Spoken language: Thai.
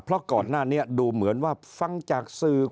เพราะก่อนหน้านี้ดูเหมือนว่าฟังจากสื่อ